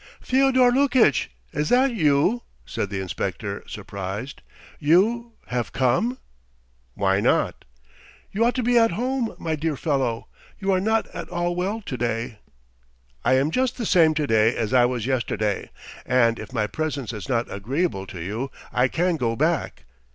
"Fyodor Lukitch, is that you?" said the inspector, surprised. "You ... have come?" "Why not?" "You ought to be at home, my dear fellow. You are not at all well to day. ..." "I am just the same to day as I was yesterday. And if my presence is not agreeable to you, I can go back."